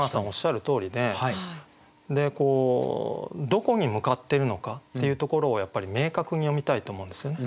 どこに向かってるのかっていうところをやっぱり明確に詠みたいと思うんですよね。